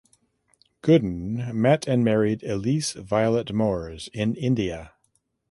Gooden met and married Elise Violet Moores in India.